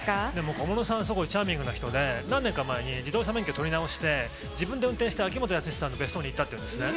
小室さん、すごいチャーミングな人で、何年か前に自動車免許取り直して、自分で運転して、秋元康さんの別荘に行ったっていうんですね。